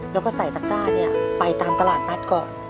แล้วก็ใส่ตะก้าเนี่ยไปตามตลาดนัดก่อน